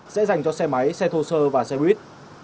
sẽ dành cho xe máy xe thô sơ và xe buýt